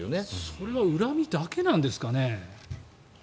それは恨みだけなんですかね。